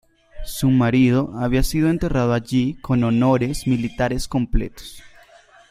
Su marido había sido enterrado allí con honores militares completos.